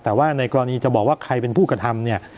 แต่ว่าในกรณีจะบอกว่าใครเป็นผู้กระทำเนี่ย